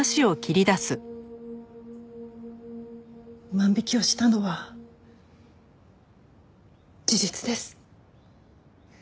万引きをしたのは事実です。